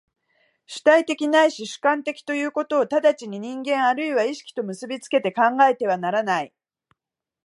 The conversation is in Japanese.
主体的ないし主観的ということを直ちに人間或いは意識と結び付けて考えてはならない。